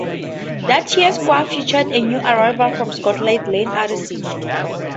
That year's squad featured a new arrival from Scotland: Ian Anderson.